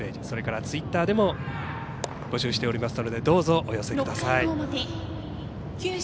それから、ツイッターでも募集しておりますのでどうぞ、お寄せください。